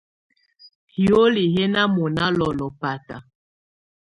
Hioli hɛ́ ná mɔ̀ná lɔ́lɔ̀ báta.